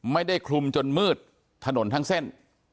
ไม่ได้คลุมจนมืดถนนทั้งเส้น